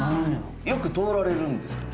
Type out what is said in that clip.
よく通られるんですか？